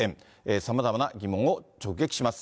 さまざまな疑問を直撃します。